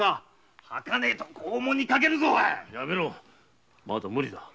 やめろまだ無理だ。